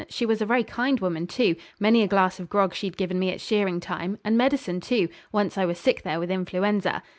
She was a very kind woman, too; many a glass of grog she'd given me at shearing time, and medicine too, once I was sick there with influenza.